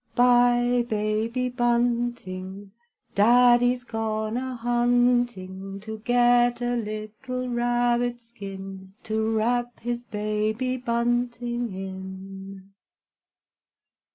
Bye, baby bunting, Daddy's gone a hunting, To get a little rabbit skin, To wrap his baby bunting in.